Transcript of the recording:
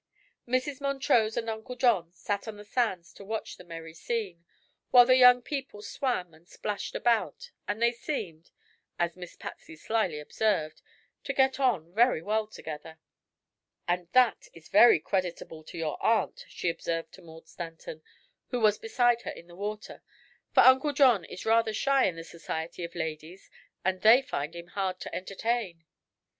Mrs. Montrose and Uncle John sat on the sands to watch the merry scene, while the young people swam and splashed about, and they seemed as Miss Patsy slyly observed to "get on very well together." "And that is very creditable to your aunt," she observed to Maud Stanton, who was beside her in the water, "for Uncle John is rather shy in the society of ladies and they find him hard to entertain."